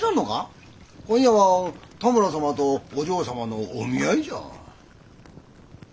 今夜は多村様とお嬢様のお見合いじゃ。